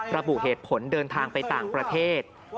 ระบุเหตุผลเดินทางไปต่างประเทศ